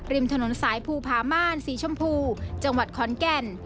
ริมถนนสายภูผาม่านสีชมพูจังหวัดขอนแก่น